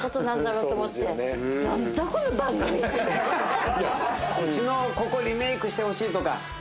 うちのここリメイクしてほしいとか